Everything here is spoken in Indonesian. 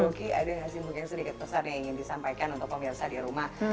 mungkin ada yang sedikit pesan yang ingin disampaikan untuk pemirsa di rumah